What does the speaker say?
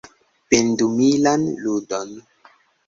Pendumilan ludon.